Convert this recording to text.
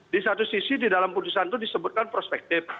di satu sisi di dalam putusan itu disebutkan prospektif